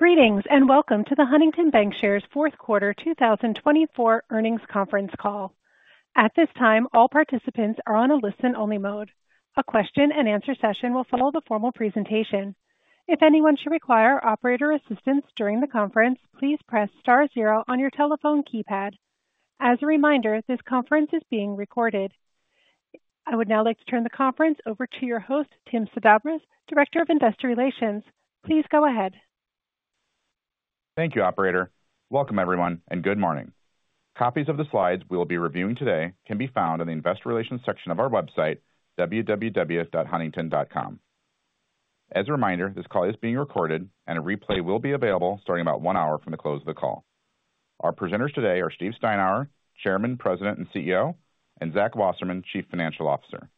Greetings and welcome to the Huntington Bancshares Fourth Quarter 2024 Earnings Conference Call. At this time, all participants are on a listen-only mode. A question-and-answer session will follow the formal presentation. If anyone should require operator assistance during the conference, please press star zero on your telephone keypad. As a reminder, this conference is being recorded. I would now like to turn the conference over to your host, Tim Sedabres, Director of Investor Relations. Please go ahead. Thank you, Operator. Welcome, everyone, and good morning. Copies of the slides we will be reviewing today can be found in the Investor Relations section of our website, www.huntington.com. As a reminder, this call is being recorded, and a replay will be available starting about one hour from the close of the call. Our presenters today are Steve Steinour, Chairman, President, and CEO, and Zach Wasserman, Chief Financial Officer.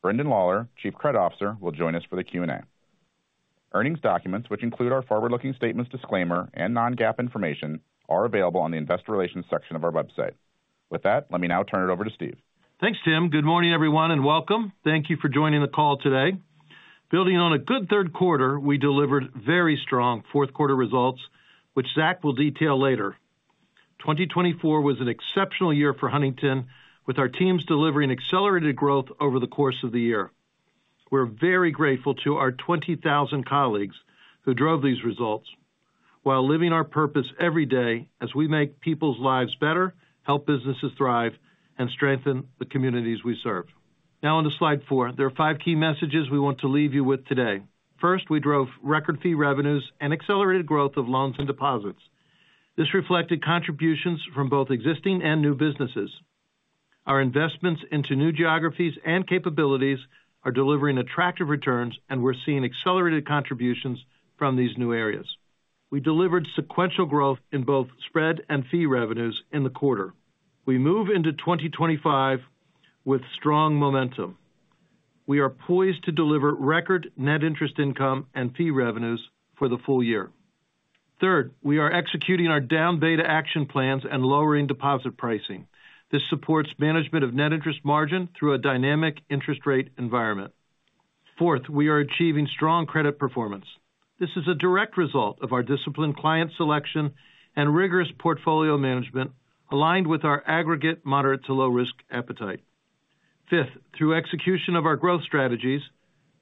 Brendan Lawlor, Chief Credit Officer, will join us for the Q&A. Earnings documents, which include our forward-looking statements disclaimer and non-GAAP information, are available on the Investor Relations section of our website. With that, let me now turn it over to Steve. Thanks, Tim. Good morning, everyone, and welcome. Thank you for joining the call today. Building on a good third quarter, we delivered very strong fourth quarter results, which Zach will detail later. 2024 was an exceptional year for Huntington, with our teams delivering accelerated growth over the course of the year. We're very grateful to our 20,000 colleagues who drove these results while living our purpose every day as we make people's lives better, help businesses thrive, and strengthen the communities we serve. Now, on to slide four, there are five key messages we want to leave you with today. First, we drove record fee revenues and accelerated growth of loans and deposits. This reflected contributions from both existing and new businesses. Our investments into new geographies and capabilities are delivering attractive returns, and we're seeing accelerated contributions from these new areas. We delivered sequential growth in both spread and fee revenues in the quarter. We move into 2025 with strong momentum. We are poised to deliver record net interest income and fee revenues for the full year. Third, we are executing our down beta action plans and lowering deposit pricing. This supports management of net interest margin through a dynamic interest rate environment. Fourth, we are achieving strong credit performance. This is a direct result of our disciplined client selection and rigorous portfolio management, aligned with our aggregate moderate to low risk appetite. Fifth, through execution of our growth strategies,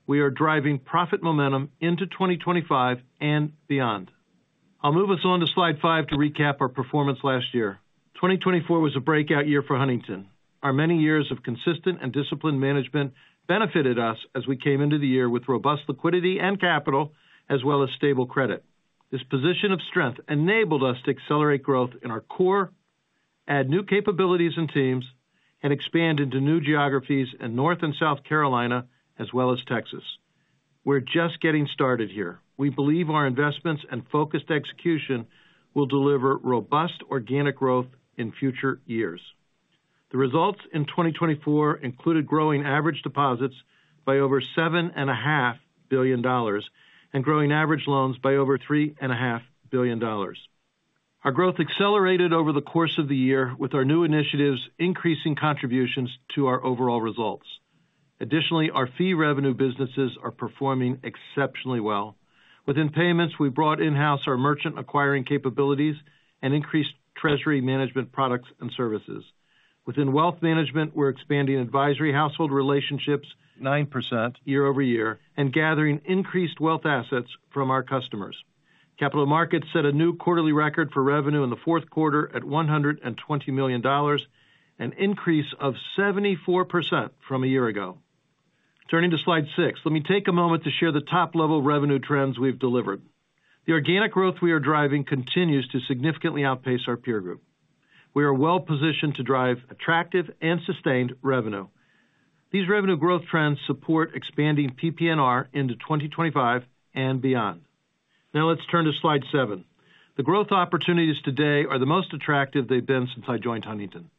we are driving profit momentum into 2025 and beyond. I'll move us on to slide five to recap our performance last year. 2024 was a breakout year for Huntington. Our many years of consistent and disciplined management benefited us as we came into the year with robust liquidity and capital, as well as stable credit. This position of strength enabled us to accelerate growth in our core, add new capabilities and teams, and expand into new geographies in North and South Carolina, as well as Texas. We're just getting started here. We believe our investments and focused execution will deliver robust organic growth in future years. The results in 2024 included growing average deposits by over $7.5 billion and growing average loans by over $3.5 billion. Our growth accelerated over the course of the year with our new initiatives increasing contributions to our overall results. Additionally, our fee revenue businesses are performing exceptionally well. Within Payments, we brought in-house our merchant acquiring capabilities and increased treasury management products and services. Within Wealth Management, we're expanding advisory household relationships 9% year over year and gathering increased wealth assets from our customers. Capital Markets set a new quarterly record for revenue in the fourth quarter at $120 million, an increase of 74% from a year ago. Turning to slide six, let me take a moment to share the top-level revenue trends we've delivered. The organic growth we are driving continues to significantly outpace our peer group. We are well positioned to drive attractive and sustained revenue. These revenue growth trends support expanding PPNR into 2025 and beyond. Now let's turn to slide seven. The growth opportunities today are the most attractive they've been since I joined Huntington.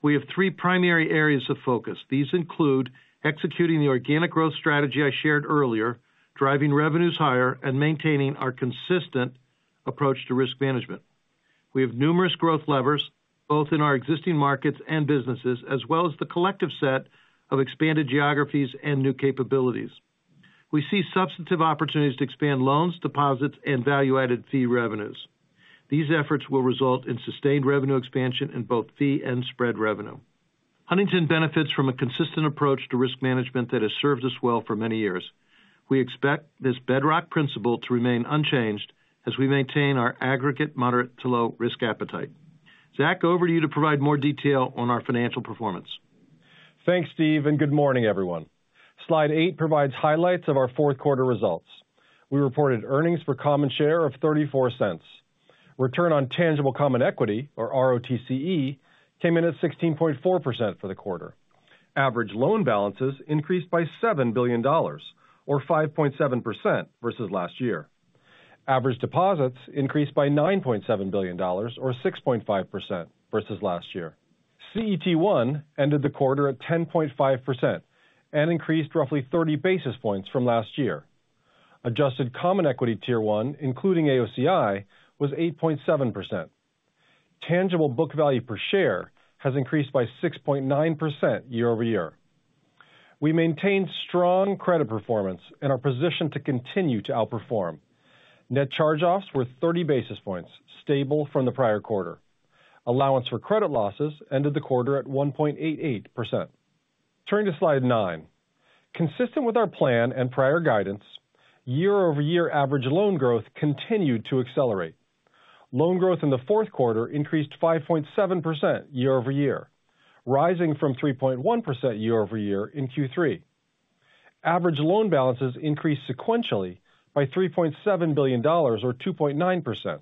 We have three primary areas of focus. These include executing the organic growth strategy I shared earlier, driving revenues higher, and maintaining our consistent approach to risk management. We have numerous growth levers, both in our existing markets and businesses, as well as the collective set of expanded geographies and new capabilities. We see substantive opportunities to expand loans, deposits, and value-added fee revenues. These efforts will result in sustained revenue expansion in both fee and spread revenue. Huntington benefits from a consistent approach to risk management that has served us well for many years. We expect this bedrock principle to remain unchanged as we maintain our aggregate moderate to low risk appetite. Zach, over to you to provide more detail on our financial performance. Thanks, Steve, and good morning, everyone. Slide eight provides highlights of our fourth quarter results. We reported earnings per common share of $0.34. Return on tangible common equity, or ROTCE, came in at 16.4% for the quarter. Average loan balances increased by $7 billion, or 5.7% versus last year. Average deposits increased by $9.7 billion, or 6.5% versus last year. CET1 ended the quarter at 10.5% and increased roughly 30 basis points from last year. Adjusted common equity tier one, including AOCI, was 8.7%. Tangible book value per share has increased by 6.9% year over year. We maintained strong credit performance and are positioned to continue to outperform. Net charge-offs were 30 basis points, stable from the prior quarter. Allowance for credit losses ended the quarter at 1.88%. Turning to slide nine, consistent with our plan and prior guidance, year-over-year average loan growth continued to accelerate. Loan growth in the fourth quarter increased 5.7% year over year, rising from 3.1% year over year in Q3. Average loan balances increased sequentially by $3.7 billion, or 2.9%.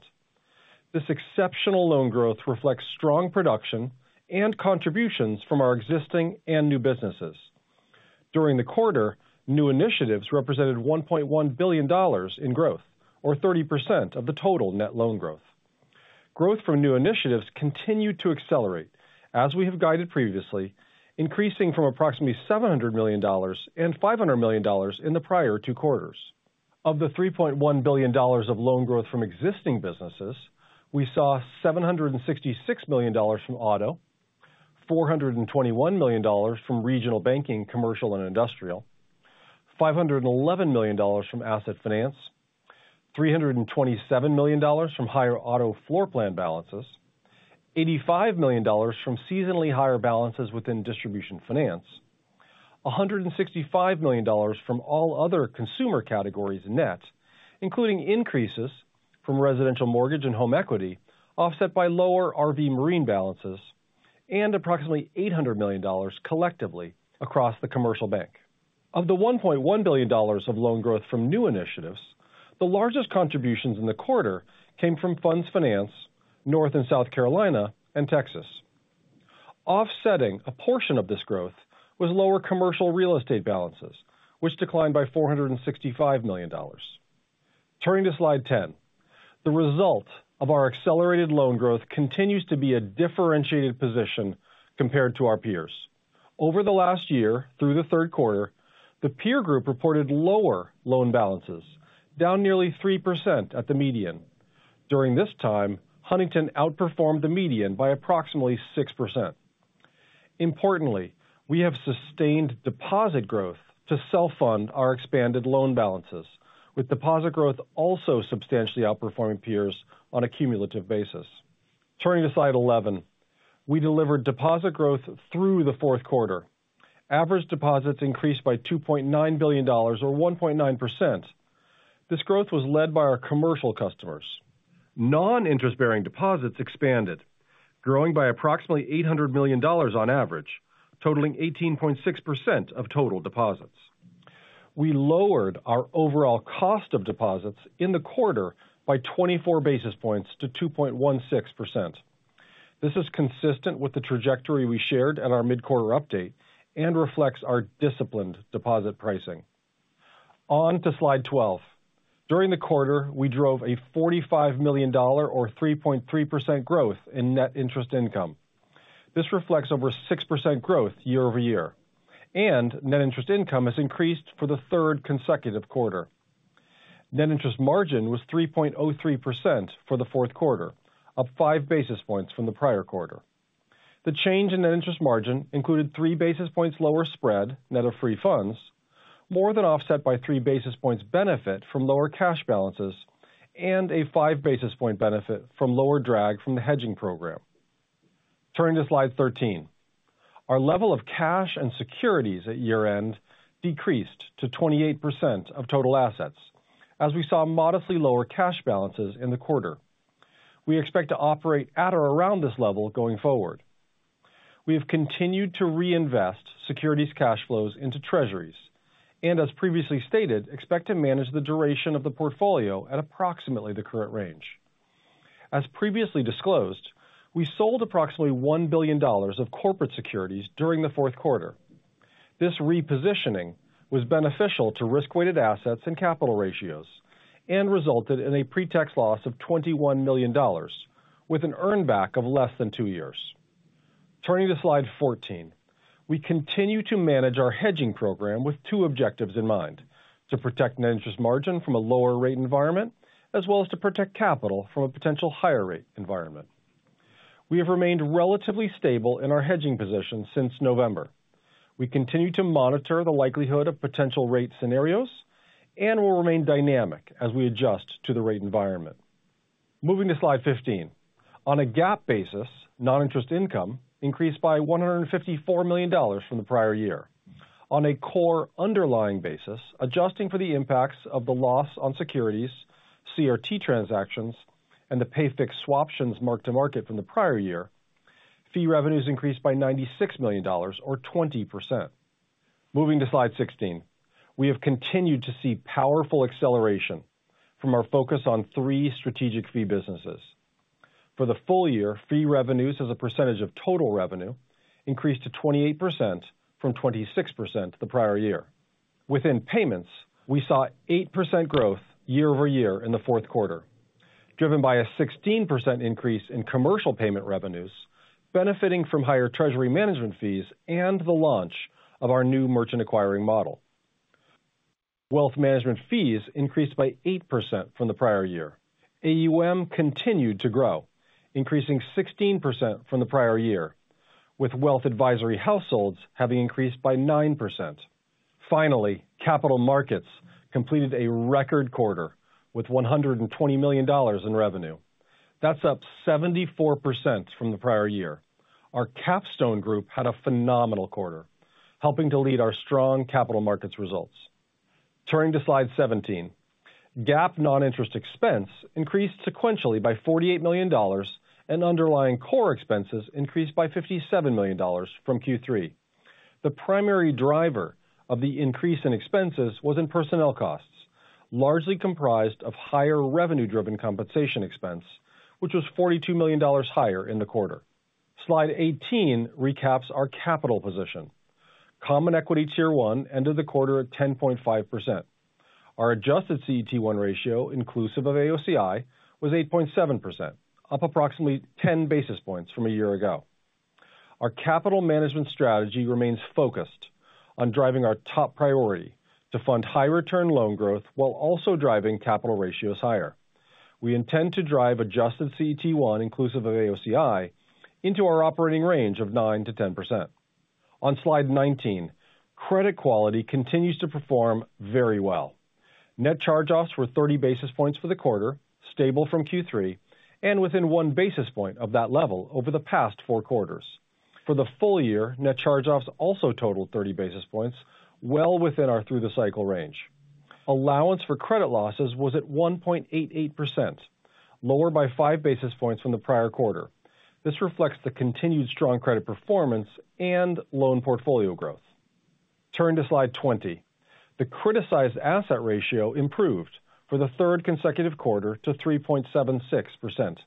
This exceptional loan growth reflects strong production and contributions from our existing and new businesses. During the quarter, new initiatives represented $1.1 billion in growth, or 30% of the total net loan growth. Growth from new initiatives continued to accelerate, as we have guided previously, increasing from approximately $700 million and $500 million in the prior two quarters. Of the $3.1 billion of loan growth from existing businesses, we saw $766 million from Auto, $421 million from Regional Banking, Commercial and Industrial, $511 million from Asset Finance, $327 million from higher Auto floor plan balances, $85 million from seasonally higher balances within Distribution Finance, $165 million from all other consumer categories net, including increases from residential mortgage and home equity offset by lower RV and Marine balances, and approximately $800 million collectively across the commercial bank. Of the $1.1 billion of loan growth from new initiatives, the largest contributions in the quarter came from Fund Finance, North and South Carolina, and Texas. Offsetting a portion of this growth was lower commercial real estate balances, which declined by $465 million. Turning to slide ten, the result of our accelerated loan growth continues to be a differentiated position compared to our peers. Over the last year, through the third quarter, the peer group reported lower loan balances, down nearly 3% at the median. During this time, Huntington outperformed the median by approximately 6%. Importantly, we have sustained deposit growth to self-fund our expanded loan balances, with deposit growth also substantially outperforming peers on a cumulative basis. Turning to slide eleven, we delivered deposit growth through the fourth quarter. Average deposits increased by $2.9 billion, or 1.9%. This growth was led by our commercial customers. Non-interest-bearing deposits expanded, growing by approximately $800 million on average, totaling 18.6% of total deposits. We lowered our overall cost of deposits in the quarter by 24 basis points to 2.16%. This is consistent with the trajectory we shared at our mid-quarter update and reflects our disciplined deposit pricing. On to slide twelve. During the quarter, we drove a $45 million, or 3.3% growth in net interest income. This reflects over 6% growth year over year, and net interest income has increased for the third consecutive quarter. Net interest margin was 3.03% for the fourth quarter, up five basis points from the prior quarter. The change in net interest margin included three basis points lower spread net of free funds, more than offset by three basis points benefit from lower cash balances, and a five basis point benefit from lower drag from the hedging program. Turning to slide 13, our level of cash and securities at year-end decreased to 28% of total assets, as we saw modestly lower cash balances in the quarter. We expect to operate at or around this level going forward. We have continued to reinvest securities cash flows into treasuries and, as previously stated, expect to manage the duration of the portfolio at approximately the current range. As previously disclosed, we sold approximately $1 billion of corporate securities during the fourth quarter. This repositioning was beneficial to risk-weighted assets and capital ratios and resulted in a pre-tax loss of $21 million, with an earnback of less than two years. Turning to slide fourteen, we continue to manage our hedging program with two objectives in mind: to protect net interest margin from a lower rate environment, as well as to protect capital from a potential higher rate environment. We have remained relatively stable in our hedging position since November. We continue to monitor the likelihood of potential rate scenarios and will remain dynamic as we adjust to the rate environment. Moving to slide fifteen, on a GAAP basis, non-interest income increased by $154 million from the prior year. On a core underlying basis, adjusting for the impacts of the loss on securities, CRT transactions, and the pay-fixed swaptions marked to market from the prior year, fee revenues increased by $96 million, or 20%. Moving to slide sixteen, we have continued to see powerful acceleration from our focus on three strategic fee businesses. For the full year, fee revenues as a percentage of total revenue increased to 28% from 26% the prior year. Within Payments, we saw 8% growth year over year in the fourth quarter, driven by a 16% increase in commercial payment revenues benefiting from higher treasury management fees and the launch of our new merchant acquiring model. Wealth Management fees increased by 8% from the prior year. AUM continued to grow, increasing 16% from the prior year, with wealth advisory households having increased by 9%. Finally, Capital Markets completed a record quarter with $120 million in revenue. That's up 74% from the prior year. Our Capstone Group had a phenomenal quarter, helping to lead our strong Capital Markets results. Turning to slide 17, GAAP non-interest expense increased sequentially by $48 million, and underlying core expenses increased by $57 million from Q3. The primary driver of the increase in expenses was in personnel costs, largely comprised of higher revenue-driven compensation expense, which was $42 million higher in the quarter. Slide 18 recaps our capital position. Common Equity Tier 1 ended the quarter at 10.5%. Our adjusted CET1 ratio, inclusive of AOCI, was 8.7%, up approximately 10 basis points from a year ago. Our capital management strategy remains focused on driving our top priority to fund high-return loan growth while also driving capital ratios higher. We intend to drive adjusted CET1, inclusive of AOCI, into our operating range of 9% to 10%. On slide nineteen, credit quality continues to perform very well. Net charge-offs were 30 basis points for the quarter, stable from Q3 and within one basis point of that level over the past four quarters. For the full year, net charge-offs also totaled 30 basis points, well within our through-the-cycle range. Allowance for credit losses was at 1.88%, lower by five basis points from the prior quarter. This reflects the continued strong credit performance and loan portfolio growth. Turning to slide twenty, the criticized asset ratio improved for the third consecutive quarter to 3.76%.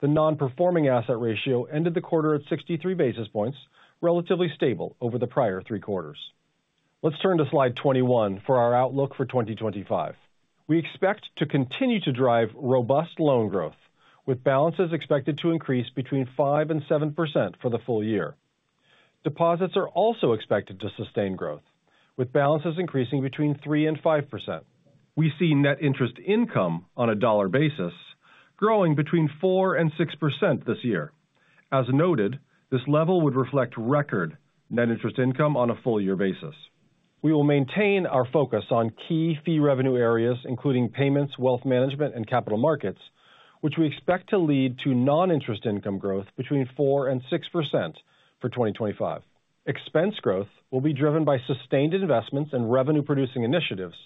The non-performing asset ratio ended the quarter at 63 basis points, relatively stable over the prior three quarters. Let's turn to slide twenty-one for our outlook for 2025. We expect to continue to drive robust loan growth, with balances expected to increase between 5% and 7% for the full year. Deposits are also expected to sustain growth, with balances increasing between 3% and 5%. We see net interest income on a dollar basis growing between 4% and 6% this year. As noted, this level would reflect record net interest income on a full-year basis. We will maintain our focus on key fee revenue areas, including Payments, Wealth Management, and Capital Markets, which we expect to lead to non-interest income growth between 4% and 6% for 2025. Expense growth will be driven by sustained investments and revenue-producing initiatives,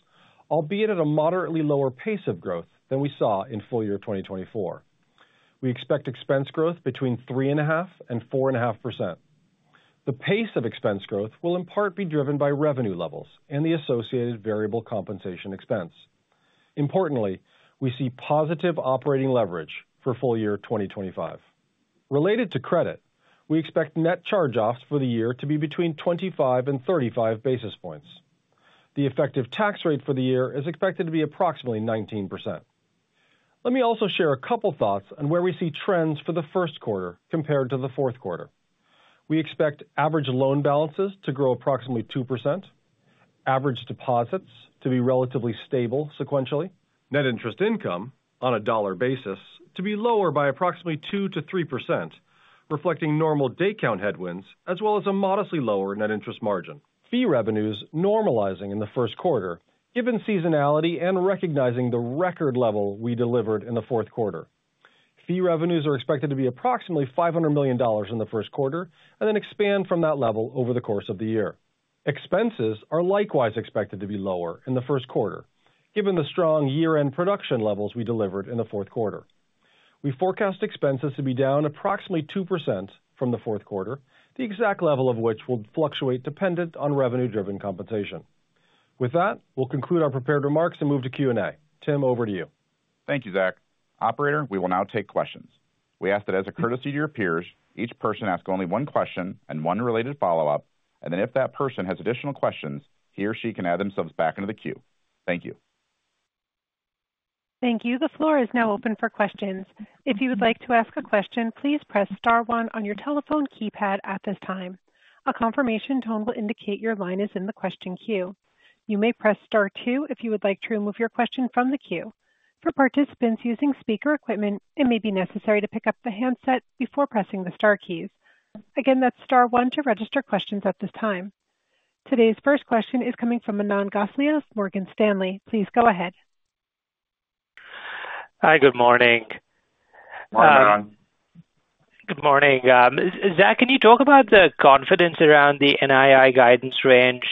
albeit at a moderately lower pace of growth than we saw in full year 2024. We expect expense growth between 3.5% and 4.5%. The pace of expense growth will in part be driven by revenue levels and the associated variable compensation expense. Importantly, we see positive operating leverage for full year 2025. Related to credit, we expect net charge-offs for the year to be between 25 and 35 basis points. The effective tax rate for the year is expected to be approximately 19%. Let me also share a couple of thoughts on where we see trends for the first quarter compared to the fourth quarter. We expect average loan balances to grow approximately 2%, average deposits to be relatively stable sequentially, net interest income on a dollar basis to be lower by approximately 2%-3%, reflecting normal day-count headwinds, as well as a modestly lower net interest margin. Fee revenues normalizing in the first quarter, given seasonality and recognizing the record level we delivered in the fourth quarter. Fee revenues are expected to be approximately $500 million in the first quarter and then expand from that level over the course of the year. Expenses are likewise expected to be lower in the first quarter, given the strong year-end production levels we delivered in the fourth quarter. We forecast expenses to be down approximately 2% from the fourth quarter, the exact level of which will fluctuate dependent on revenue-driven compensation. With that, we'll conclude our prepared remarks and move to Q&A. Tim, over to you. Thank you, Zach. Operator, we will now take questions. We ask that as a courtesy to your peers, each person ask only one question and one related follow-up, and then if that person has additional questions, he or she can add themselves back into the queue. Thank you. Thank you. The floor is now open for questions. If you would like to ask a question, please press star one on your telephone keypad at this time. A confirmation tone will indicate your line is in the question queue. You may press star two if you would like to remove your question from the queue. For participants using speaker equipment, it may be necessary to pick up the handset before pressing the star keys. Again, that's star one to register questions at this time. Today's first question is coming from Manan Gosalia, Morgan Stanley. Please go ahead. Hi, good morning. Morning. Good morning. Zach, can you talk about the confidence around the NII guidance range?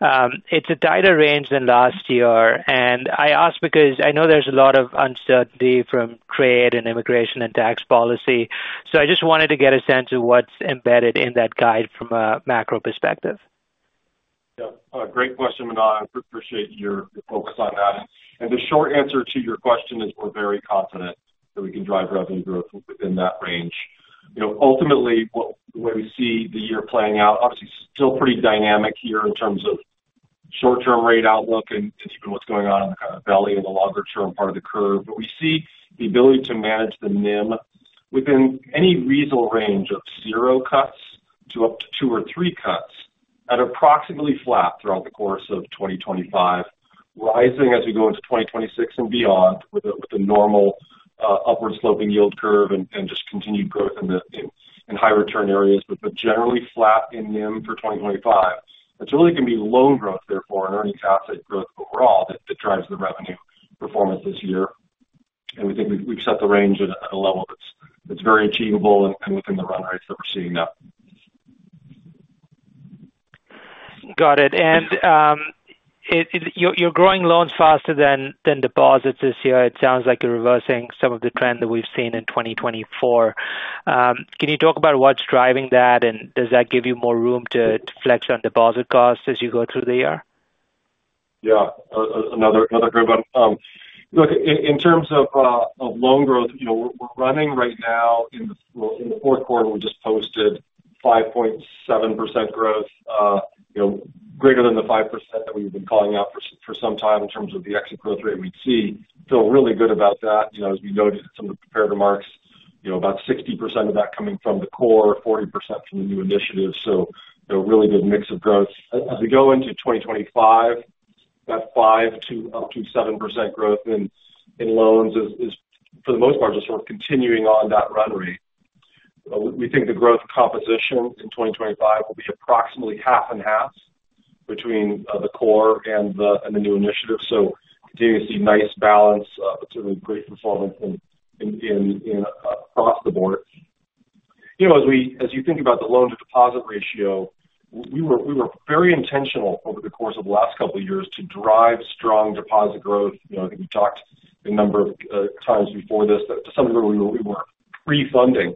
It's a tighter range than last year, and I ask because I know there's a lot of uncertainty from trade and immigration and tax policy. So I just wanted to get a sense of what's embedded in that guide from a macro perspective. Yeah, great question, and I appreciate your focus on that. And the short answer to your question is we're very confident that we can drive revenue growth within that range. Ultimately, the way we see the year playing out, obviously still pretty dynamic here in terms of short-term rate outlook and even what's going on in the kind of volatility and the longer-term part of the curve. But we see the ability to manage the NIM within any reasonable range of zero cuts to up to two or three cuts at approximately flat throughout the course of 2025, rising as we go into 2026 and beyond with a normal upward-sloping yield curve and just continued growth in high-return areas, but generally flat in NIM for 2025. It's really going to be loan growth, therefore, and earnings asset growth overall that drives the revenue performance this year. And we think we've set the range at a level that's very achievable and within the run rates that we're seeing now. Got it. And you're growing loans faster than deposits this year. It sounds like you're reversing some of the trend that we've seen in 2024. Can you talk about what's driving that, and does that give you more room to flex on deposit costs as you go through the year? Yeah, another good one. Look, in terms of loan growth, we're running right now in the fourth quarter. We just posted 5.7% growth, greater than the 5% that we've been calling out for some time in terms of the exit growth rate we'd see. Feel really good about that. As we noted in some of the prepared remarks, about 60% of that coming from the core, 40% from the new initiative. So really good mix of growth. As we go into 2025, that five to up to 7% growth in loans is, for the most part, just sort of continuing on that run rate. We think the growth composition in 2025 will be approximately half and half between the core and the new initiative. So continuing to see nice balance, but certainly great performance across the board. As you think about the loan-to-deposit ratio, we were very intentional over the course of the last couple of years to drive strong deposit growth. I think we've talked a number of times before this; to some degree we were prefunding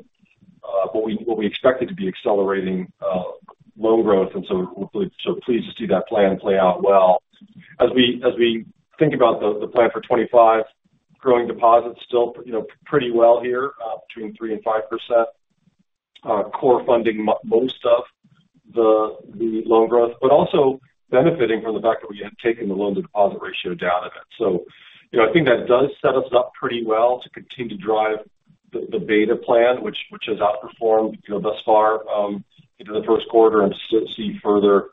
what we expected to be accelerating loan growth, and so we're pleased to see that plan play out well. As we think about the plan for 2025, growing deposits still pretty well here between 3% and 5%, core funding most of the loan growth, but also benefiting from the fact that we had taken the loan-to-deposit ratio down a bit. So I think that does set us up pretty well to continue to drive the beta plan, which has outperformed thus far into the first quarter, and to see further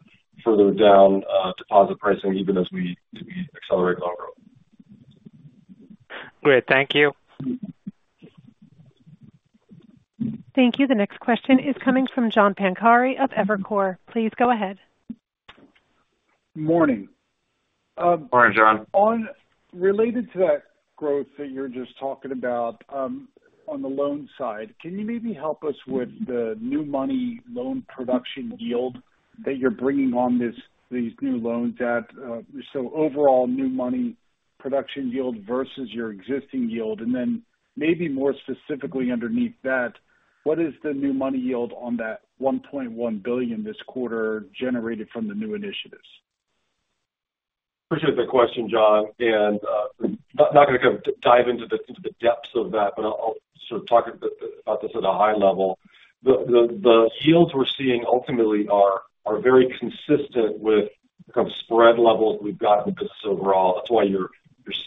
down deposit pricing even as we accelerate loan growth. Great. Thank you. Thank you. The next question is coming from John Pancari of Evercore. Please go ahead. Morning. Morning, John. Related to that growth that you're just talking about on the loan side, can you maybe help us with the new money loan production yield that you're bringing on these new loans at? So overall new money production yield versus your existing yield, and then maybe more specifically underneath that, what is the new money yield on that $1.1 billion this quarter generated from the new initiatives? Appreciate the question, John. And I'm not going to kind of dive into the depths of that, but I'll sort of talk about this at a high level. The yields we're seeing ultimately are very consistent with the kind of spread levels we've got in the business overall. That's why you're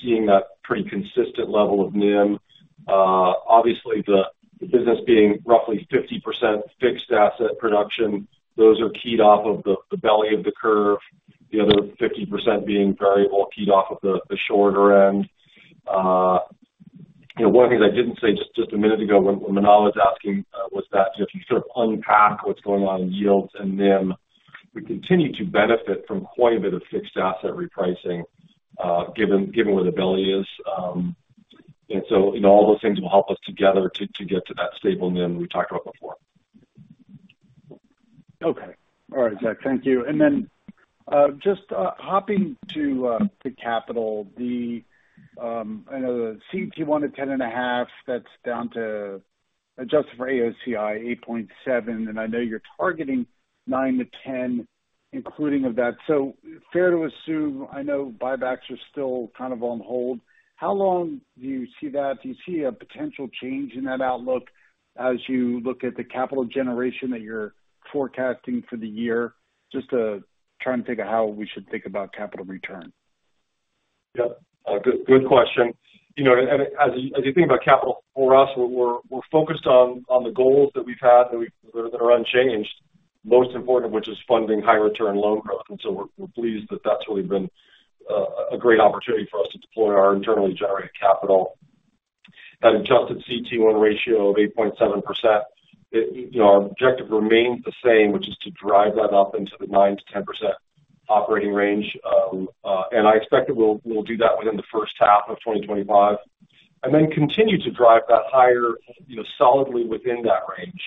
seeing that pretty consistent level of NIM. Obviously, the business being roughly 50% fixed asset production, those are keyed off of the belly of the curve, the other 50% being variable keyed off of the shorter end. One of the things I didn't say just a minute ago when Manan was asking was that if you sort of unpack what's going on in yields and NIM, we continue to benefit from quite a bit of fixed asset repricing given where the belly is. And so all those things will help us together to get to that stable NIM we talked about before. Okay. All right, Zach. Thank you. And then just hopping to capital, I know the CET1 at 10.5%, that's down to adjusted for AOCI 8.7%, and I know you're targeting 9% to 10%, including of that. So fair to assume, I know buybacks are still kind of on hold. How long do you see that? Do you see a potential change in that outlook as you look at the capital generation that you're forecasting for the year? Just trying to think of how we should think about capital return. Yep. Good question. As you think about capital for us, we're focused on the goals that we've had that are unchanged, most important of which is funding high-return loan growth. And so we're pleased that that's really been a great opportunity for us to deploy our internally generated capital. That adjusted CET1 ratio of 8.7%, our objective remains the same, which is to drive that up into the 9%-10% operating range. And I expect that we'll do that within the first half of 2025, and then continue to drive that higher solidly within that range.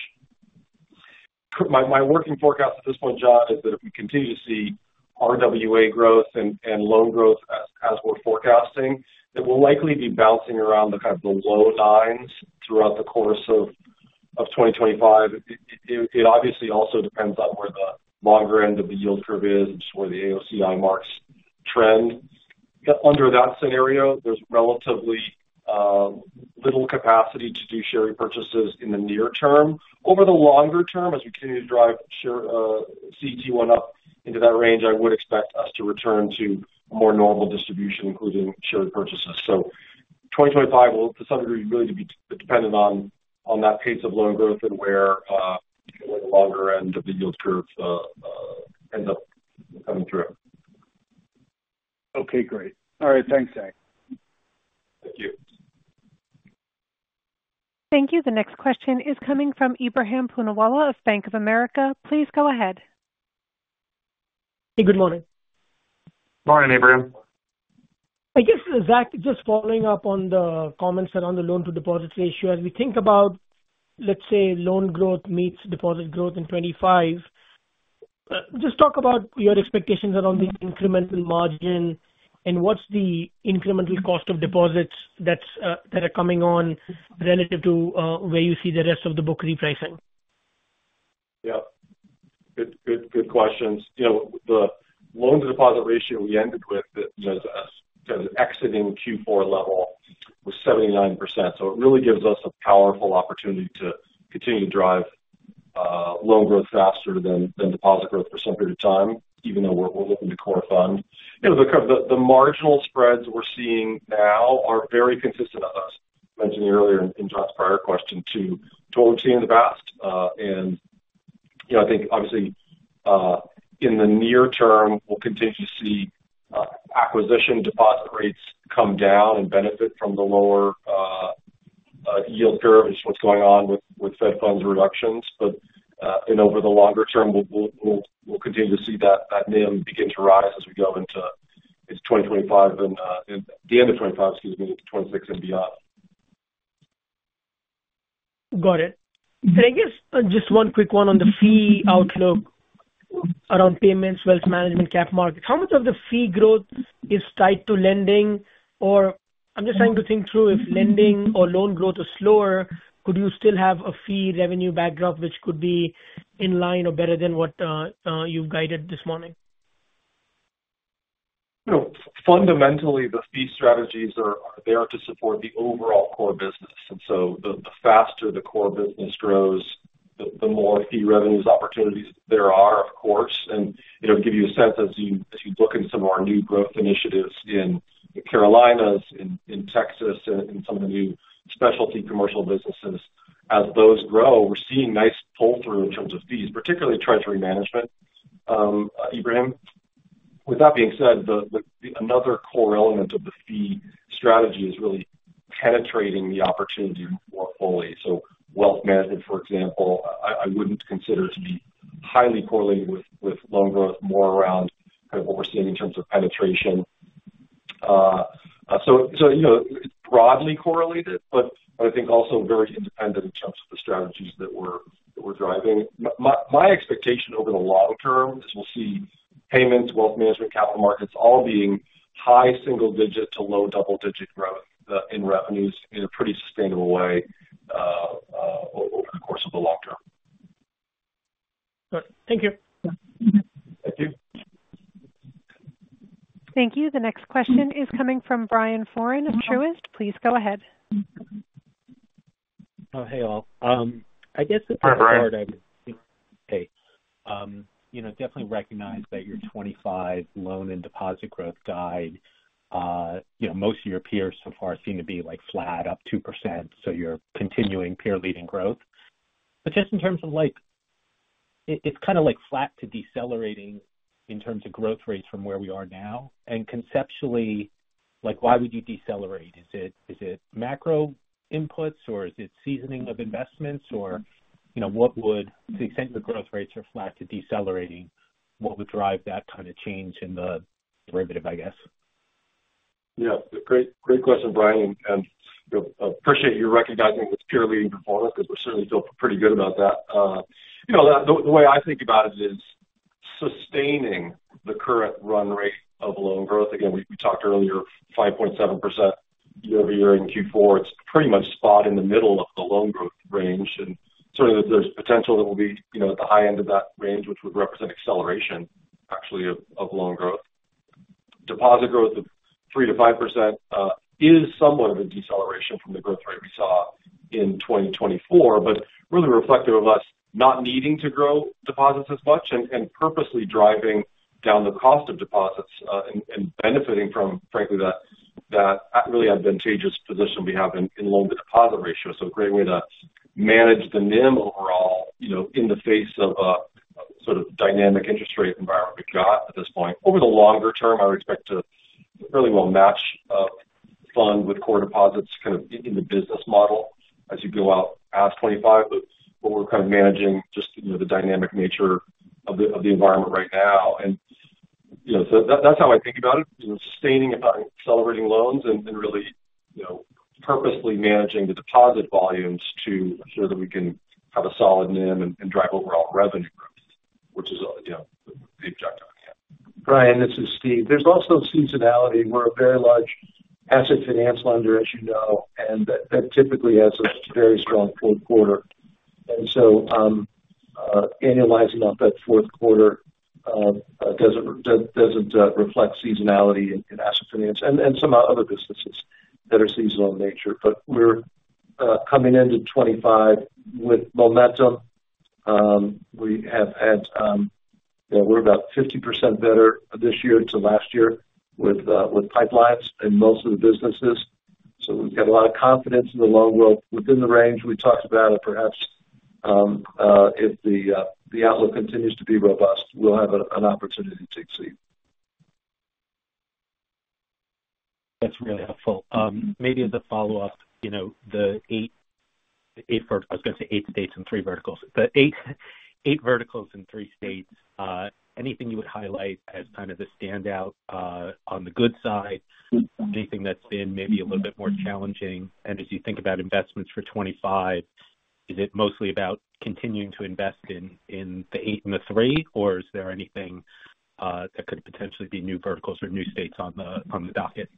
My working forecast at this point, John, is that if we continue to see RWA growth and loan growth as we're forecasting, it will likely be bouncing around the kind of low nines throughout the course of 2025. It obviously also depends on where the longer end of the yield curve is and just where the AOCI marks trend. Under that scenario, there's relatively little capacity to do share purchases in the near term. Over the longer term, as we continue to drive CET1 up into that range, I would expect us to return to a more normal distribution, including share purchases. So 2025 will, to some degree, really be dependent on that pace of loan growth and where the longer end of the yield curve ends up coming through. Okay, great. All right, thanks, Zach. Thank you. Thank you. The next question is coming from Ebrahim Poonawala of Bank of America. Please go ahead. Hey, good morning. Morning, Ebrahim. I guess, Zach, just following up on the comments around the loan-to-deposit ratio, as we think about, let's say, loan growth meets deposit growth in 2025, just talk about your expectations around the incremental margin and what's the incremental cost of deposits that are coming on relative to where you see the rest of the book repricing. Yep. Good questions. The loan-to-deposit ratio we ended with kind of exiting Q4 level was 79%. So it really gives us a powerful opportunity to continue to drive loan growth faster than deposit growth for some period of time, even though we're looking to core fund. The marginal spreads we're seeing now are very consistent with us, mentioned earlier in John's prior question to what we've seen in the past. I think, obviously, in the near term, we'll continue to see acquisition deposit rates come down and benefit from the lower yield curve, which is what's going on with Fed funds reductions. But over the longer term, we'll continue to see that NIM begin to rise as we go into 2025 and the end of 2025, excuse me, into 2026 and beyond. Got it. But I guess just one quick one on the fee outlook around Payments, Wealth Management, Capital Markets. How much of the fee growth is tied to lending? Or I'm just trying to think through if lending or loan growth is slower, could you still have a fee revenue backdrop which could be in line or better than what you've guided this morning? Fundamentally, the fee strategies are there to support the overall core business. And so the faster the core business grows, the more fee revenues opportunities there are, of course. And to give you a sense, as you look at some of our new growth initiatives in Carolinas, in Texas, and some of the new specialty commercial businesses, as those grow, we're seeing nice pull-through in terms of fees, particularly treasury management, Ebrahim. With that being said, another core element of the fee strategy is really penetrating the opportunity more fully. So Wealth Management, for example, I wouldn't consider to be highly correlated with loan growth, more around kind of what we're seeing in terms of penetration. So it's broadly correlated, but I think also very independent in terms of the strategies that we're driving. My expectation over the long term is we'll see Payments, Wealth Management, Capital Markets all being high single-digit to low double-digit growth in revenues in a pretty sustainable way over the course of the long term. Thank you. Thank you. Thank you. The next question is coming from Brian Foran of Truist. Please go ahead. Hey, all. Definitely recognize that your 2025 loan and deposit growth guide, most of your peers so far seem to be flat, up 2%. So you're continuing peer-leading growth. But just in terms of it's kind of flat to decelerating in terms of growth rates from where we are now. And conceptually, why would you decelerate? Is it macro inputs, or is it seasoning of investments, or to the extent your growth rates are flat to decelerating, what would drive that kind of change in the derivative, I guess? Yeah. Great question, Brian, and I appreciate you recognizing this peer-leading performance because we certainly feel pretty good about that. The way I think about it is sustaining the current run rate of loan growth. Again, we talked earlier, 5.7% year-over-year in Q4. It's pretty much spot in the middle of the loan growth range. And certainly, there's potential that we'll be at the high end of that range, which would represent acceleration, actually, of loan growth. Deposit growth of 3%-5% is somewhat of a deceleration from the growth rate we saw in 2024, but really reflective of us not needing to grow deposits as much and purposely driving down the cost of deposits and benefiting from, frankly, that really advantageous position we have in loan-to-deposit ratio. So a great way to manage the NIM overall in the face of a sort of dynamic interest rate environment we've got at this point. Over the longer term, I would expect to really well match fund with core deposits kind of in the business model as you go out past 2025, but we're kind of managing just the dynamic nature of the environment right now. And so that's how I think about it. Sustaining and accelerating loans and really purposely managing the deposit volumes to ensure that we can have a solid NIM and drive overall revenue growth, which is the objective at the end. Brian, this is Steve. There's also seasonality. We're a very large Asset Finance lender, as you know, and that typically has a very strong fourth quarter. And so annualizing off that fourth quarter doesn't reflect seasonality in Asset Finance and some other businesses that are seasonal in nature. But we're coming into 2025 with momentum. We're about 50% better this year to last year with pipelines and most of the businesses. So we've got a lot of confidence in the loan growth within the range we talked about. And perhaps if the outlook continues to be robust, we'll have an opportunity to exceed. That's really helpful. Maybe as a follow-up, the eight, I was going to say eight states and three verticals. The eight verticals and three states, anything you would highlight as kind of the standout on the good side, anything that's been maybe a little bit more challenging? As you think about investments for 2025, is it mostly about continuing to invest in the eight and the three, or is there anything that could potentially be new verticals or new states on the docket?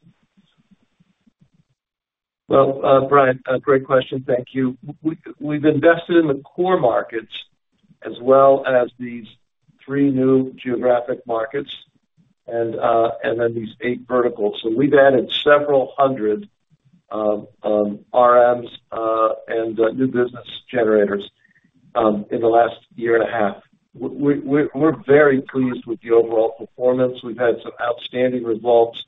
Well, Brian, great question. Thank you. We've invested in the core markets as well as these three new geographic markets and then these eight verticals. So we've added several hundred RMs and new business generators in the last year and a half. We're very pleased with the overall performance. We've had some outstanding results.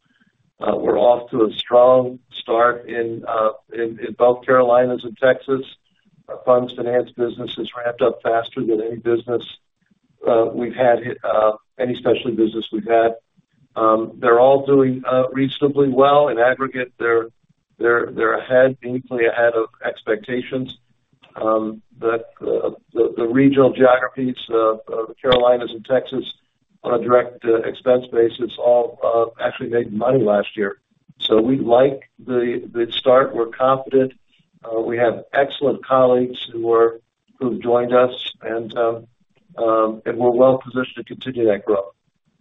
We're off to a strong start in both Carolinas and Texas. Our funds finance business has ramped up faster than any business we've had, any specialty business we've had. They're all doing reasonably well. In aggregate, they're ahead, meaningfully ahead of expectations. The regional geographies of Carolinas and Texas on a direct expense basis all actually made money last year, so we like the start. We're confident. We have excellent colleagues who have joined us, and we're well positioned to continue that growth.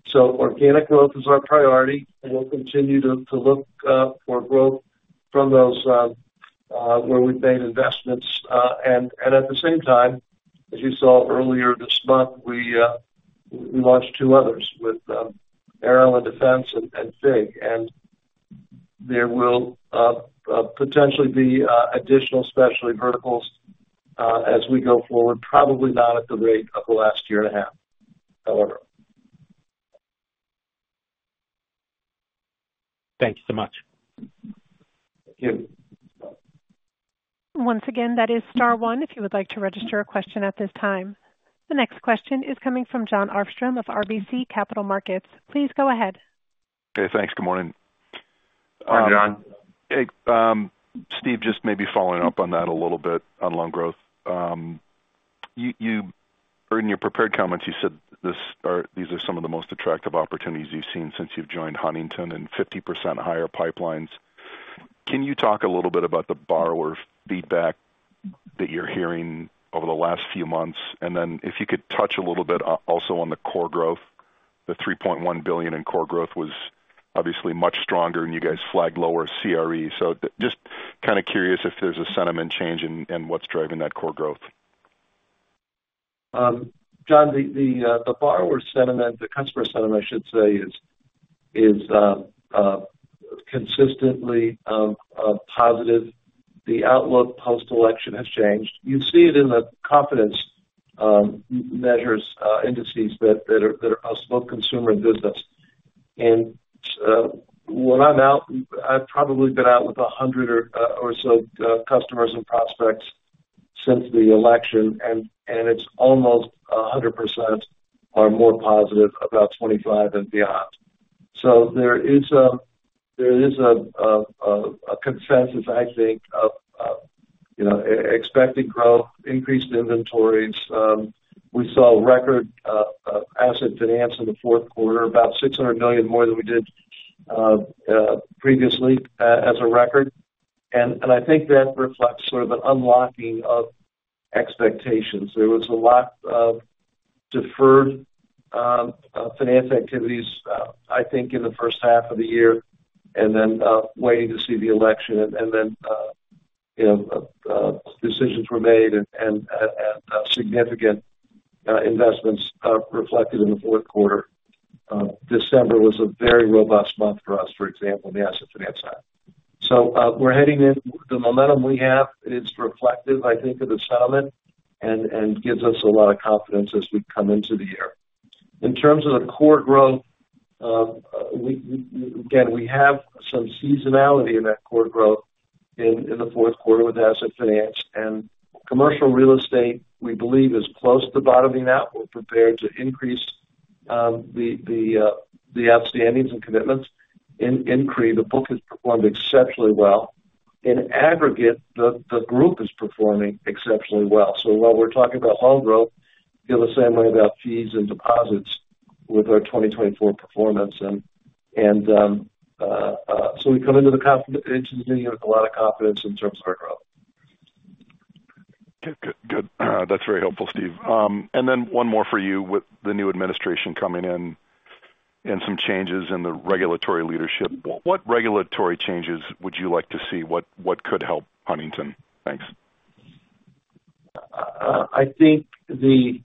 So organic growth is our priority, and we'll continue to look for growth from those where we've made investments, and at the same time, as you saw earlier this month, we launched two others with Aerospace and Defense and FIG. And there will potentially be additional specialty verticals as we go forward, probably not at the rate of the last year and a half, however. Thank you so much. Thank you. Once again, that is star one if you would like to register a question at this time. The next question is coming from Jon Arfstrom of RBC Capital Markets. Please go ahead. Okay. Thanks. Good morning. Morning, Jon. Hey. Steve, just maybe following up on that a little bit on loan growth. In your prepared comments, you said these are some of the most attractive opportunities you've seen since you've joined Huntington and 50% higher pipelines. Can you talk a little bit about the borrower feedback that you're hearing over the last few months? And then if you could touch a little bit also on the core growth. The $3.1 billion in core growth was obviously much stronger than you guys flagged, lower CRE. So just kind of curious if there's a sentiment change in what's driving that core growth. Jon, the borrower sentiment, the customer sentiment, I should say, is consistently positive. The outlook post-election has changed. You see it in the confidence measures indices that are both consumer and business. When I'm out, I've probably been out with 100 or so customers and prospects since the election, and it's almost 100% are more positive about 2025 and beyond. So there is a consensus, I think, of expected growth, increased inventories. We saw record Asset Finance in the fourth quarter, about $600 million more than we did previously as a record. And I think that reflects sort of an unlocking of expectations. There was a lot of deferred finance activities, I think, in the first half of the year, and then waiting to see the election. And then decisions were made, and significant investments reflected in the fourth quarter. December was a very robust month for us, for example, on the Asset Finance side. So we're heading in. The momentum we have is reflective, I think, of the sentiment and gives us a lot of confidence as we come into the year. In terms of the core growth, again, we have some seasonality in that core growth in the fourth quarter with Asset Finance. And Commercial Real Estate, we believe, is close to bottoming out. We're prepared to increase the outstandings and commitments. In CRE, the book has performed exceptionally well. In aggregate, the group is performing exceptionally well. So while we're talking about loan growth, feel the same way about fees and deposits with our 2024 performance. And so we come into the conference with a lot of confidence in terms of our growth. Good. That's very helpful, Steve. And then one more for you with the new administration coming in and some changes in the regulatory leadership. What regulatory changes would you like to see? What could help Huntington? Thanks. I think the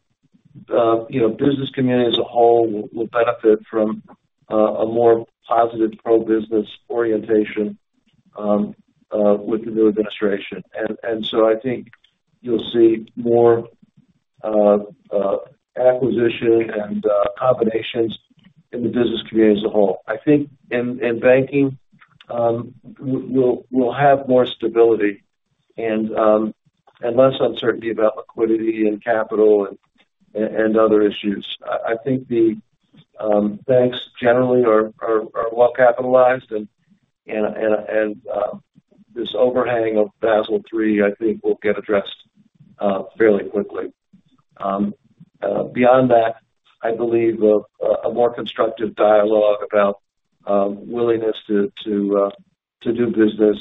business community as a whole will benefit from a more positive pro-business orientation with the new administration. And so I think you'll see more acquisition and combinations in the business community as a whole. I think in banking, we'll have more stability and less uncertainty about liquidity and capital and other issues. I think the banks generally are well capitalized, and this overhang of Basel III, I think, will get addressed fairly quickly. Beyond that, I believe a more constructive dialogue about willingness to do business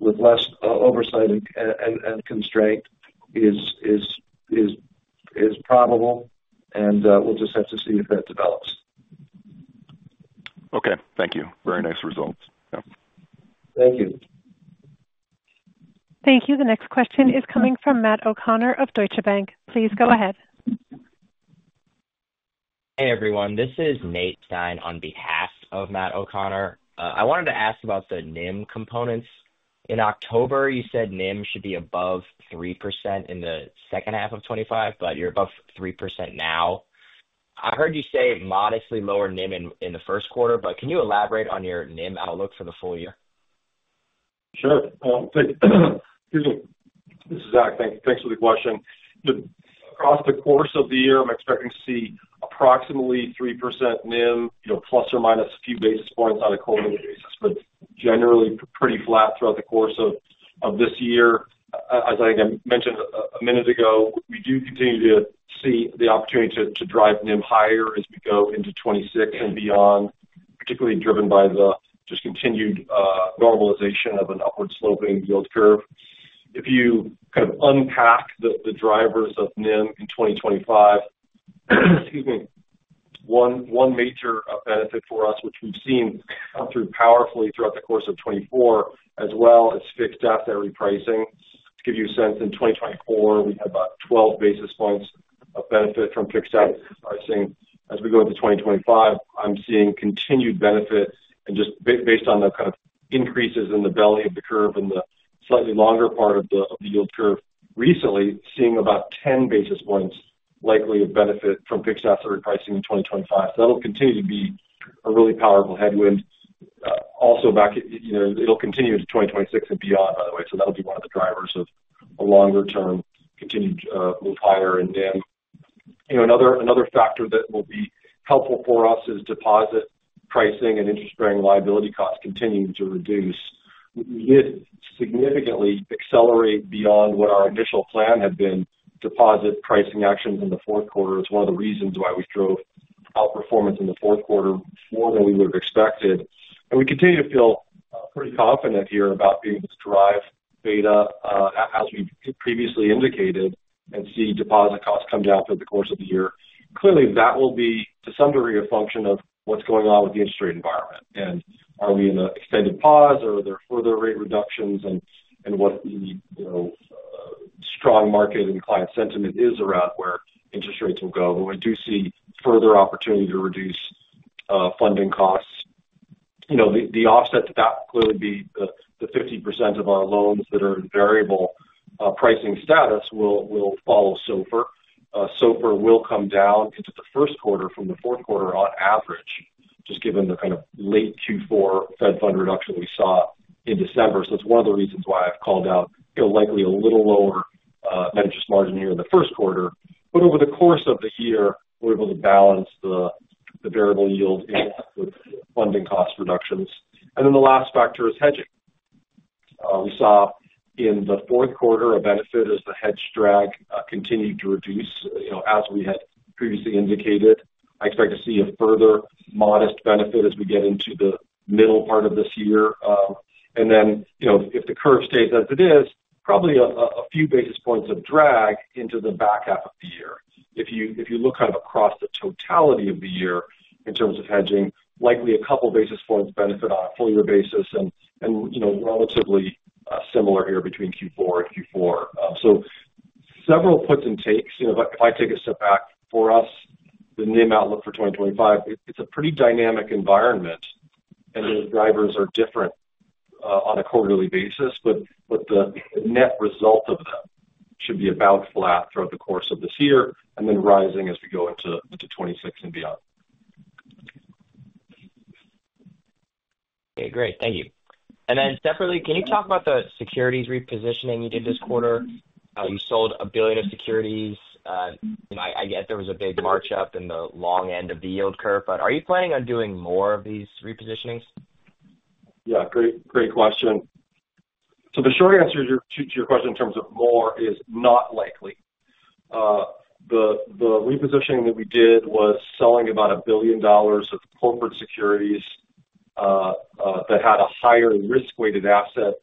with less oversight and constraint is probable, and we'll just have to see if that develops. Okay. Thank you. Very nice results. Thank you. Thank you. The next question is coming from Matt O'Connor of Deutsche Bank. Please go ahead. Hey, everyone. This is Nate Stein on behalf of Matt O'Connor. I wanted to ask about the NIM components. In October, you said NIM should be above 3% in the second half of 2025, but you're above 3% now. I heard you say modestly lower NIM in the first quarter, but can you elaborate on your NIM outlook for the full year? Sure. Excuse me. This is Zach. Thanks for the question. Across the course of the year, I'm expecting to see approximately 3% NIM, plus or minus a few basis points on a quarterly basis, but generally pretty flat throughout the course of this year. As I mentioned a minute ago, we do continue to see the opportunity to drive NIM higher as we go into 2026 and beyond, particularly driven by the just continued normalization of an upward-sloping yield curve. If you kind of unpack the drivers of NIM in 2025, excuse me, one major benefit for us, which we've seen come through powerfully throughout the course of 2024, as well as fixed asset repricing, to give you a sense. In 2024, we had about 12 basis points of benefit from fixed asset repricing. As we go into 2025, I'm seeing continued benefit, and just based on the kind of increases in the belly of the curve in the slightly longer part of the yield curve, recently seeing about 10 basis points likely of benefit from fixed asset repricing in 2025, so that'll continue to be a really powerful headwind. Also, it'll continue into 2026 and beyond, by the way, so that'll be one of the drivers of a longer-term continued move higher in NIM. Another factor that will be helpful for us is deposit pricing and interest-bearing liability costs continuing to reduce. We did significantly accelerate beyond what our initial plan had been. Deposit pricing actions in the fourth quarter is one of the reasons why we drove outperformance in the fourth quarter more than we would have expected. And we continue to feel pretty confident here about being able to drive beta as we previously indicated and see deposit costs come down through the course of the year. Clearly, that will be, to some degree, a function of what's going on with the interest rate environment. And are we in an extended pause, or are there further rate reductions, and what strong market and client sentiment is around where interest rates will go? But we do see further opportunity to reduce funding costs. The offset to that will clearly be the 50% of our loans that are in variable pricing status will follow SOFR. SOFR will come down into the first quarter from the fourth quarter on average, just given the kind of late Q4 fed funds reduction we saw in December, so it's one of the reasons why I've called out likely a little lower NIM here in the first quarter. But over the course of the year, we're able to balance the variable yield in with funding cost reductions, and then the last factor is hedging. We saw in the fourth quarter a benefit as the hedge drag continued to reduce as we had previously indicated. I expect to see a further modest benefit as we get into the middle part of this year. And then if the curve stays as it is, probably a few basis points of drag into the back half of the year. If you look kind of across the totality of the year in terms of hedging, likely a couple of basis points benefit on a full-year basis and relatively similar here between Q4 and Q4. So several puts and takes. If I take a step back for us, the NIM outlook for 2025, it's a pretty dynamic environment, and those drivers are different on a quarterly basis, but the net result of them should be about flat throughout the course of this year and then rising as we go into 2026 and beyond. Okay. Great. Thank you. And then separately, can you talk about the securities repositioning you did this quarter? You sold $1 billion of securities. I guess there was a big march up in the long end of the yield curve, but are you planning on doing more of these repositionings? Yeah. Great question. So the short answer to your question in terms of more is not likely. The repositioning that we did was selling about $1 billion of corporate securities that had a higher risk-weighted assets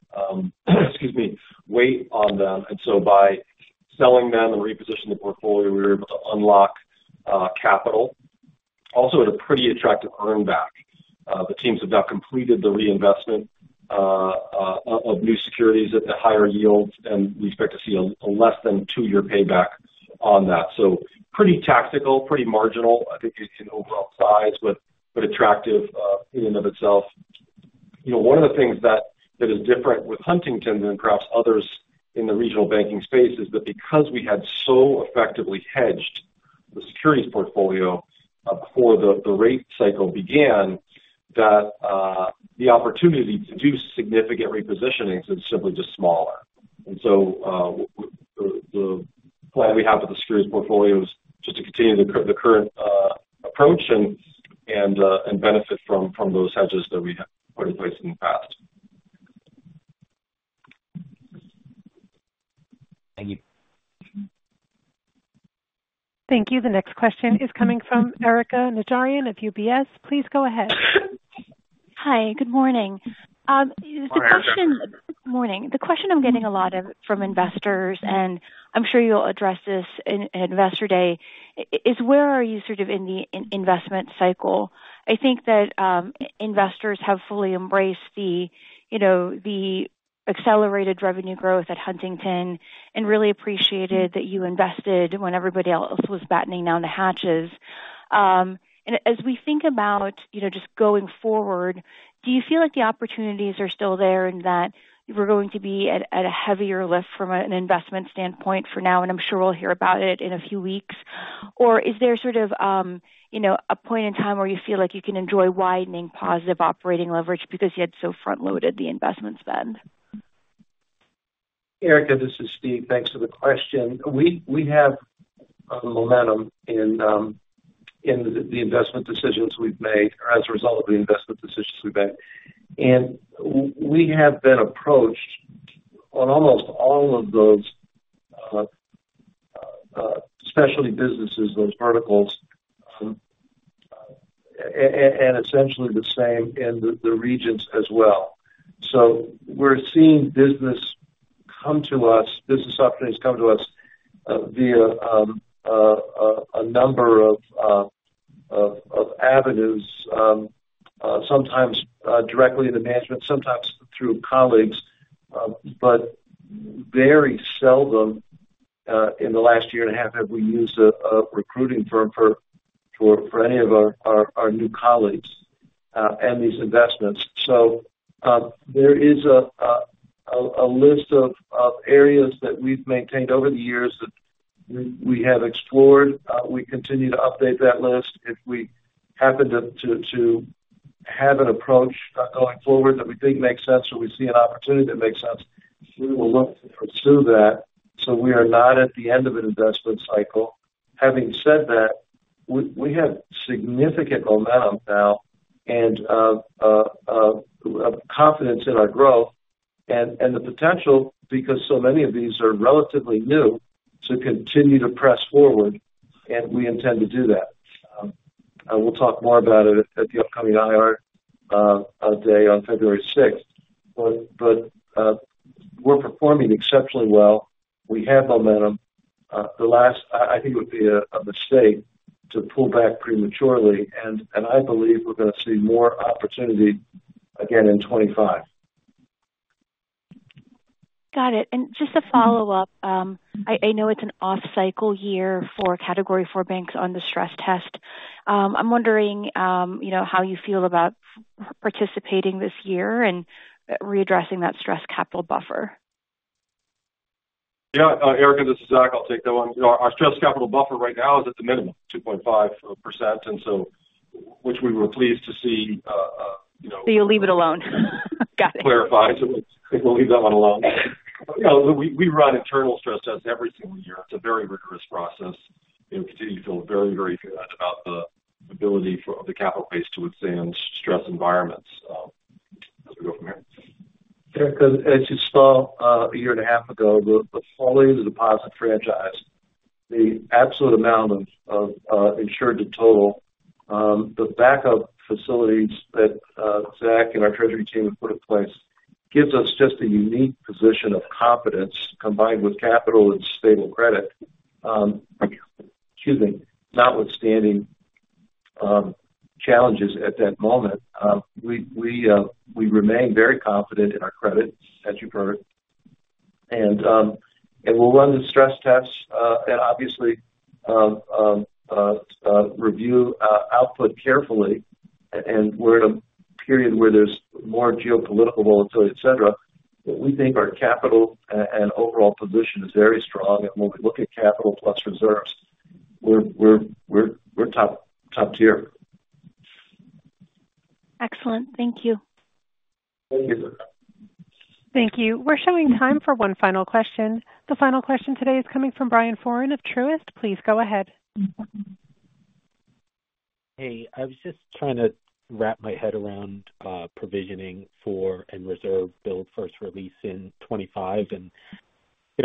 (excuse me) weight on them. And so by selling them and repositioning the portfolio, we were able to unlock capital. Also, at a pretty attractive earnback. The teams have now completed the reinvestment of new securities at the higher yields, and we expect to see a less than two-year payback on that. So pretty tactical, pretty marginal, I think, in overall size, but attractive in and of itself. One of the things that is different with Huntington than perhaps others in the Regional Banking space is that because we had so effectively hedged the securities portfolio before the rate cycle began, the opportunity to do significant repositionings is simply just smaller. And so the plan we have with the securities portfolio is just to continue the current approach and benefit from those hedges that we have put in place in the past. Thank you. Thank you. The next question is coming from Erika Najarian of UBS. Please go ahead. Hi. Good morning. Good morning. The question I'm getting a lot of from investors, and I'm sure you'll address this in Investor Day, is where are you sort of in the investment cycle? I think that investors have fully embraced the accelerated revenue growth at Huntington and really appreciated that you invested when everybody else was battening down the hatches, and as we think about just going forward, do you feel like the opportunities are still there and that we're going to be at a heavier lift from an investment standpoint for now, and I'm sure we'll hear about it in a few weeks. Or is there sort of a point in time where you feel like you can enjoy widening positive operating leverage because you had so front-loaded the investment spend? Erika, this is Steve. Thanks for the question. We have a momentum in the investment decisions we've made or as a result of the investment decisions we've made, and we have been approached on almost all of those specialty businesses, those verticals, and essentially the same in the regions as well. So we're seeing business come to us, business opportunities come to us via a number of avenues, sometimes directly in the management, sometimes through colleagues, but very seldom in the last year and a half have we used a recruiting firm for any of our new colleagues and these investments. So there is a list of areas that we've maintained over the years that we have explored. We continue to update that list. If we happen to have an approach going forward that we think makes sense or we see an opportunity that makes sense, we will look to pursue that. So we are not at the end of an investment cycle. Having said that, we have significant momentum now and confidence in our growth and the potential, because so many of these are relatively new, to continue to press forward, and we intend to do that. We'll talk more about it at the upcoming IR Day on February 6th. But we're performing exceptionally well. We have momentum. The last, I think, would be a mistake to pull back prematurely, and I believe we're going to see more opportunity again in 2025. Got it. And just a follow up, I know it's an off-cycle year for Category IV banks on the stress test. I'm wondering how you feel about participating this year and readdressing that stress capital buffer. Yeah. Erika, this is Zach. I'll take that one. Our stress capital buffer right now is at the minimum, 2.5%, which we were pleased to see. So you'll leave it alone. Got it. Clarified. We'll leave that one alone. We run internal stress tests every single year. It's a very rigorous process. We continue to feel very, very good about the ability of the capital base to withstand stress environments as we go from here. Erika, as you saw a year and a half ago, the full deposit franchise, the absolute amount of insured to total, the backup facilities that Zach and our treasury team have put in place gives us just a unique position of confidence combined with capital and stable credit. Excuse me. Notwithstanding challenges at that moment, we remain very confident in our credit, as you've heard, and we'll run the stress tests and obviously review output carefully, and we're in a period where there's more geopolitical volatility, etc., but we think our capital and overall position is very strong, and when we look at capital plus reserves, we're top tier. Excellent. Thank you. Thank you. Thank you. We're showing time for one final question. The final question today is coming from Brian Foran of Truist Securities. Please go ahead. Hey, I was just trying to wrap my head around provisioning for and reserve build versus release in 2025, and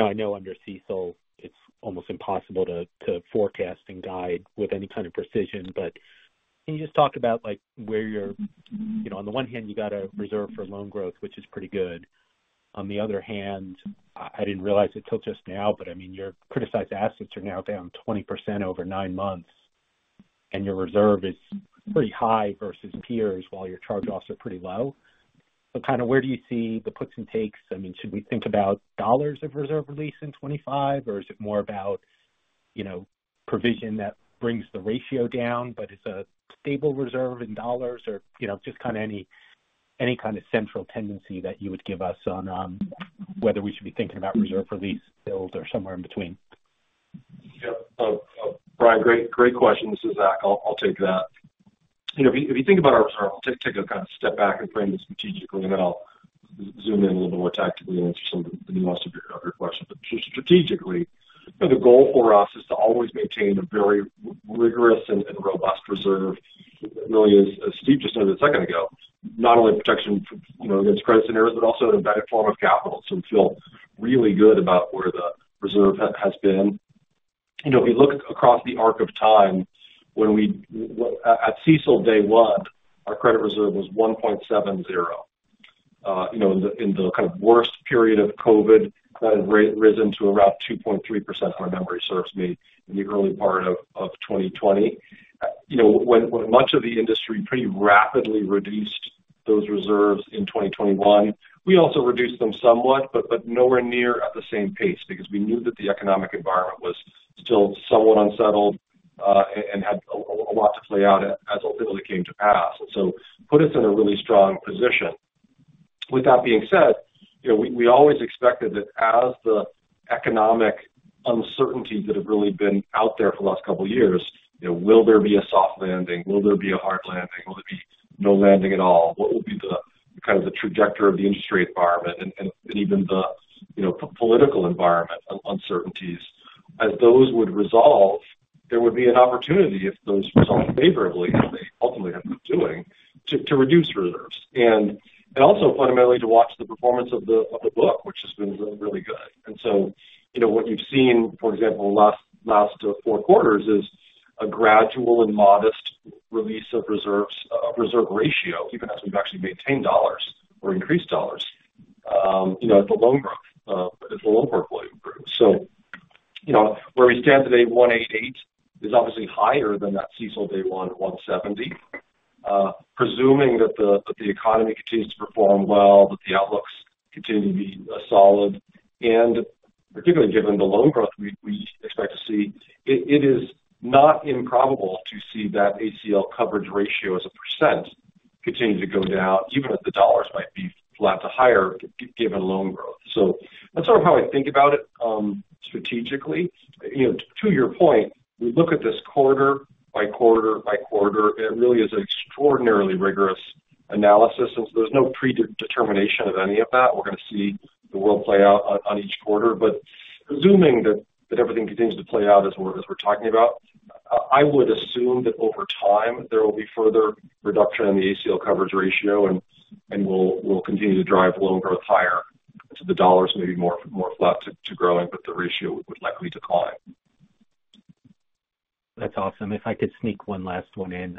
I know under CECL, it's almost impossible to forecast and guide with any kind of precision, but can you just talk about where you're on the one hand, you got a reserve for loan growth, which is pretty good. On the other hand, I didn't realize it till just now, but I mean, your criticized assets are now down 20% over nine months, and your reserve is pretty high versus peers while your charge-offs are pretty low, but kind of where do you see the puts and takes? I mean, should we think about dollars of reserve release in 2025, or is it more about provision that brings the ratio down, but it's a stable reserve in dollars, or just kind of any kind of central tendency that you would give us on whether we should be thinking about reserve release build or somewhere in between? Yep. Brian, great question. This is Zach. I'll take that. If you think about our reserve, I'll take a kind of step back and frame it strategically, and then I'll zoom in a little bit more tactically and answer some of the nuance of your question. But strategically, the goal for us is to always maintain a very rigorous and robust reserve. Really, as Steve just noted a second ago, not only protection against credit scenarios, but also an embedded form of capital. We feel really good about where the reserve has been. If you look across the arc of time, at CECL day one, our credit reserve was 1.70%. In the kind of worst period of COVID, that had risen to around 2.3%, if my memory serves me, in the early part of 2020. When much of the industry pretty rapidly reduced those reserves in 2021, we also reduced them somewhat, but nowhere near at the same pace because we knew that the economic environment was still somewhat unsettled and had a lot to play out as it came to pass. And so put us in a really strong position. With that being said, we always expected that as the economic uncertainties that have really been out there for the last couple of years, will there be a soft landing? Will there be a hard landing? Will there be no landing at all? What will be the kind of the trajectory of the industry environment and even the political environment uncertainties? As those would resolve, there would be an opportunity if those resolved favorably, as they ultimately have been doing, to reduce reserves. And also fundamentally to watch the performance of the book, which has been really good. And so what you've seen, for example, last four quarters is a gradual and modest release of reserves of reserve ratio, even as we've actually maintained dollars or increased dollars at the loan growth, at the loan portfolio growth. So where we stand today, 1.88%, is obviously higher than that CECL day one, 1.70%, presuming that the economy continues to perform well, that the outlooks continue to be solid. Particularly given the loan growth we expect to see, it is not improbable to see that ACL coverage ratio as a percent continue to go down, even if the dollars might be flat to higher given loan growth. That's sort of how I think about it strategically. To your point, we look at this quarter by quarter by quarter, and it really is an extraordinarily rigorous analysis. So there's no predetermination of any of that. We're going to see the world play out on each quarter. Assuming that everything continues to play out as we're talking about, I would assume that over time there will be further reduction in the ACL coverage ratio, and we'll continue to drive loan growth higher to the dollars, maybe more flat to growing, but the ratio would likely decline. That's awesome. If I could sneak one last one in,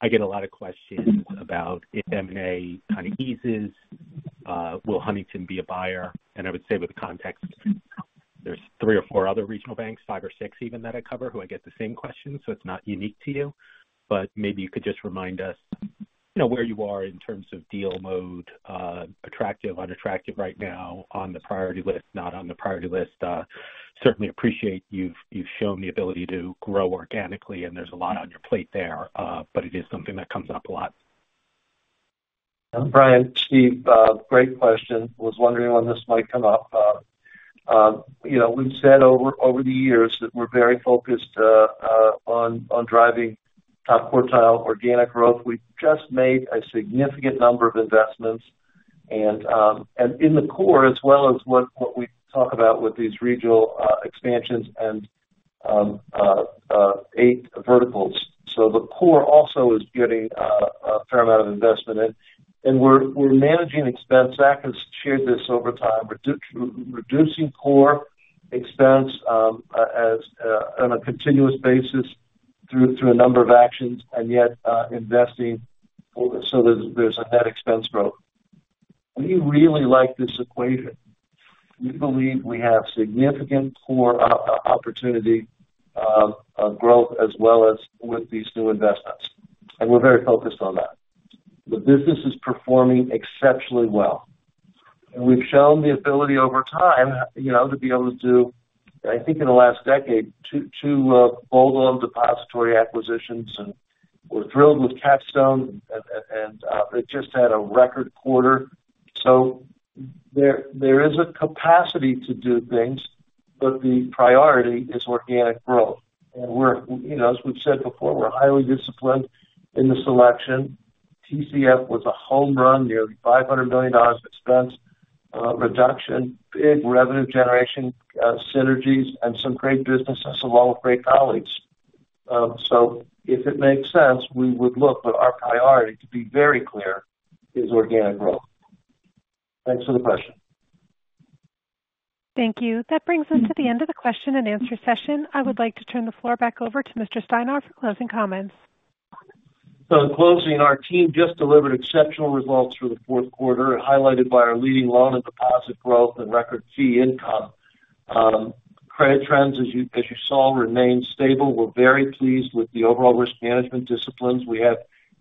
I get a lot of questions about if M&A kind of eases, will Huntington be a buyer? And I would say with the context, there's three or four other regional banks, five or six even that I cover who I get the same questions, so it's not unique to you. But maybe you could just remind us where you are in terms of deal mode, attractive, unattractive right now, on the priority list, not on the priority list. Certainly appreciate you've shown the ability to grow organically, and there's a lot on your plate there, but it is something that comes up a lot. Brian, Steve, great question. I was wondering when this might come up. We've said over the years that we're very focused on driving top quartile organic growth. We've just made a significant number of investments. And in the core, as well as what we talk about with these regional expansions and eight verticals. So the core also is getting a fair amount of investment in. And we're managing expense. Zach has shared this over time. We're reducing core expense on a continuous basis through a number of actions, and yet investing so there's a net expense growth. We really like this equation. We believe we have significant core opportunity growth as well as with these new investments. And we're very focused on that. The business is performing exceptionally well. And we've shown the ability over time to be able to do, I think in the last decade, two whole-bank depository acquisitions. And we're thrilled with Capstone. And it just had a record quarter. So there is a capacity to do things, but the priority is organic growth. And as we've said before, we're highly disciplined in the selection. TCF was a home run, nearly $500 million expense reduction, big revenue generation synergies, and some great business as well with great colleagues. So if it makes sense, we would look. But our priority, to be very clear, is organic growth. Thanks for the question. Thank you. That brings us to the end of the question-and-answer session. I would like to turn the floor back over to Mr. Steinour for closing comments. So in closing, our team just delivered exceptional results for the fourth quarter, highlighted by our leading loan and deposit growth and record fee income. Credit trends, as you saw, remain stable. We're very pleased with the overall risk management disciplines we have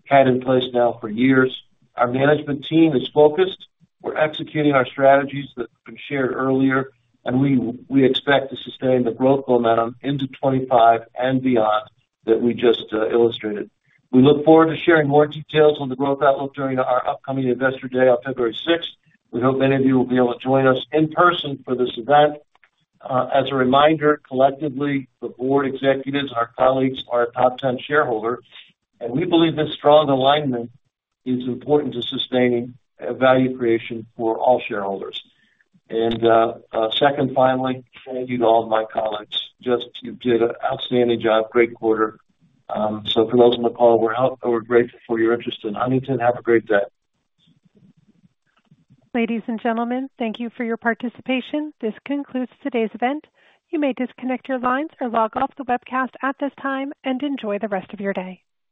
had in place now for years. Our management team is focused. We're executing our strategies that have been shared earlier, and we expect to sustain the growth momentum into 2025 and beyond that we just illustrated. We look forward to sharing more details on the growth outlook during our upcoming Investor Day on February 6th. We hope many of you will be able to join us in person for this event. As a reminder, collectively, the Board executives and our colleagues are a top 10 shareholder. And we believe this strong alignment is important to sustaining value creation for all shareholders. And second, finally, thank you to all of my colleagues. Just, you did an outstanding job. Great quarter. So for those on the call, we're grateful for your interest in Huntington. Have a great day. Ladies and gentlemen, thank you for your participation. This concludes today's event. You may disconnect your lines or log off the webcast at this time and enjoy the rest of your day.